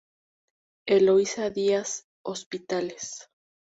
Eloísa Díaz-Hospitales".